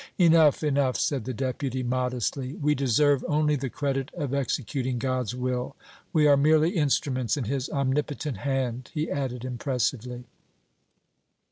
"Enough, enough," said the Deputy, modestly; "we deserve only the credit of executing God's will we are merely instruments in His omnipotent hand!" he added, impressively.